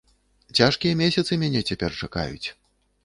Цяжкія месяцы мяне цяпер чакаюць.